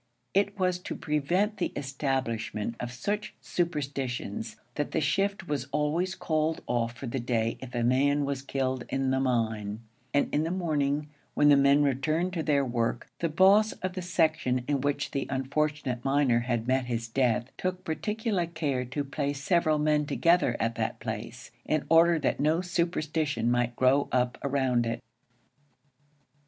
It was to prevent the establishment of such superstitions that the shift was always called off for the day if a man was killed in the mine; and in the morning, when the men returned to their work, the boss of the section in which the unfortunate miner had met his death took particular care to place several men together at that place, in order that no superstition might grow up around it.